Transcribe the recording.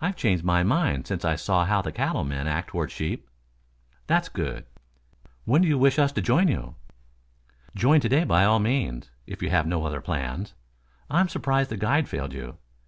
"I've changed my mind since I saw how the cattle men act toward sheep." "That's good." "When do you wish us to join you?" "Join to day by all means, if you have no other plans. I am surprised that the guide failed you.